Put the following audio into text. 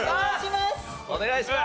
お願いします！